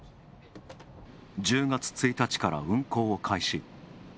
１０月１日から運行を開始。